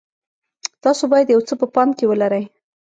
تاسو باید یو څه په پام کې ولرئ.